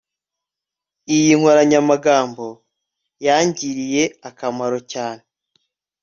Iyi nkoranyamagambo yangiriye akamaro cyane